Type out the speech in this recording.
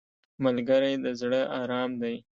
ملګری د زړه ارام دی